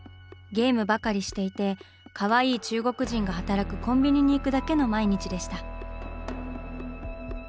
ゲームばかりしていてかわいい中国人が働くコンビニに行くだけの毎日でした。